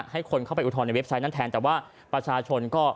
ให้คนเข้าไปอุทธรณในเว็บไซต์นั้นแทนแต่ว่าประชาชนก็